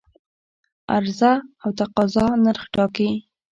عرضه او تقاضا نرخ ټاکي.